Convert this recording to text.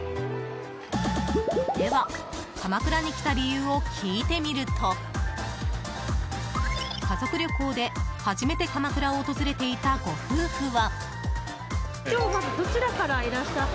では、鎌倉に来た理由を聞いてみると家族旅行で、初めて鎌倉を訪れていたご夫婦は。